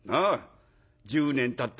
１０年たった